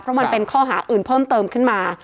เพราะมันเป็นข้อหาอื่นเพิ่มเติมขึ้นมา